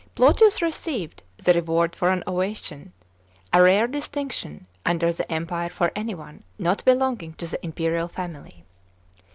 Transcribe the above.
Plautius received the reward of an ovation, — a rare distinction under the Empire for anyone not belonging to the impei ial family.